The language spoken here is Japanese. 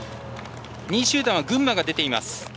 ２位集団は群馬が出ています。